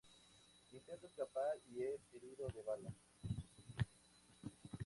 Intenta escapar y es herido de bala.